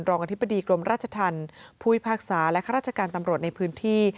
อธิบดีกรมราชธรรมผู้พิพากษาและข้าราชการตำรวจในพื้นที่